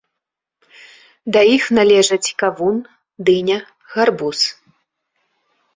Да іх належаць кавун, дыня, гарбуз.